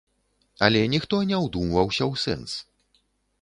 Але ніхто не ўдумваўся ў сэнс.